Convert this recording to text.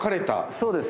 そうです。